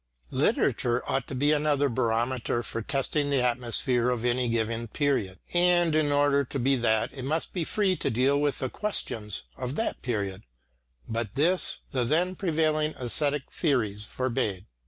Literature ought to be another barometer for testing the atmosphere of any given period. And in order to be that, it must be free to deal with the questions of that period; but this, the then prevailing æsthetic theories forbade.